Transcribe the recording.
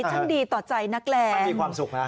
ช่างดีต่อใจนักแรงมีความสุขนะ